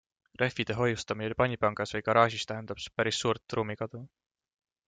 Rehvide hoiustamine panipaigas või garaažis tähendab päris suurt ruumikadu.